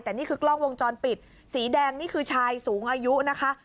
แต่นี่คือกล้องวงจรปิดสีแดงนี่คือชายสูงอายุนะคะ